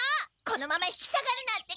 このまま引き下がるなんて